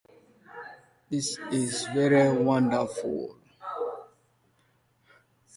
The force also patrols provincial highways.